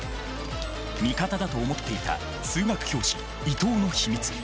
味方だと思っていた数学教師伊藤の秘密。